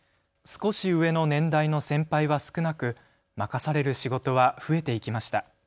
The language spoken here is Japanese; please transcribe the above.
少し上の年代の先輩は少なく任される仕事は増えていきました。